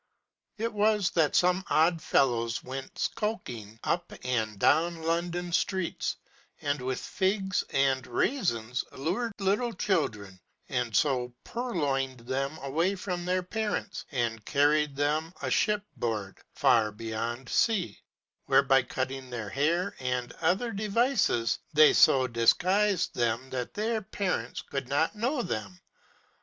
It was that some odd fellows went skulking up and down London streets, and with figs and raisins allured little children, and so purloined them away from their parents, and carried them a ship board, far beyond sea, where by cutting their hair, and other devices, they so disguised them that their parents could not know them.